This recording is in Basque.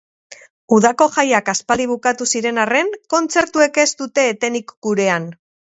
Udako jaiak aspaldi bukatu ziren arren, kontzertuek ez dute etenik gurean.